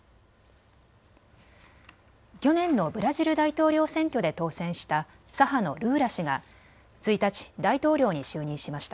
去年のブラジル大統領選挙で当選した左派のルーラ氏が１日、大統領に就任しました。